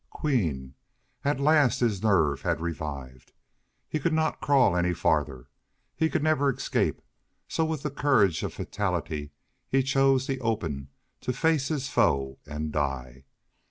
Queen! At the last his nerve had revived. He could not crawl any farther, he could never escape, so with the courage of fatality he chose the open, to face his foe and die.